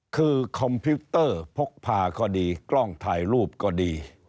คือคอมพิวเตอร์พกพาก็ดีกล้องถ่ายรูปก็ดี